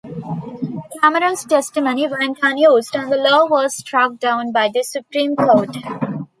Cameron's testimony went unused, and the law was struck down by the Supreme Court.